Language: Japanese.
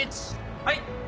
はい！